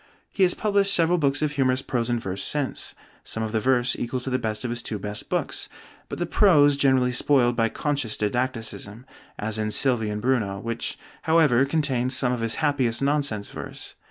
He has published several books of humorous prose and verse since; some of the verse equal to the best of his two best books, but the prose generally spoiled by conscious didacticism, as in 'Sylvie and Bruno,' which however contains some of his happiest nonsense verse.